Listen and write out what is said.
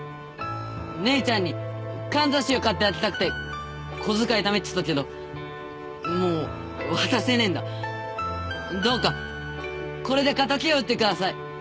姉ちゃんにかんざしを買ってあげたくて小遣いためてたけどもう渡せねぇんだどうかこれで敵を討ってください